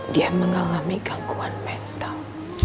dia mengalami gangguan mental